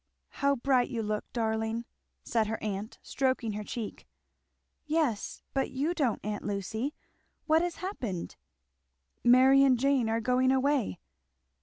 "How bright you look, darling!" said her aunt, stroking her cheek. "Yes, but you don't, aunt Lucy. What has happened?" "Mary and Jane are going away."